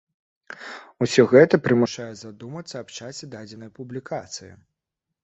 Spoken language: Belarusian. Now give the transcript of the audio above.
Усё гэта прымушае задумацца аб часе дадзенай публікацыі.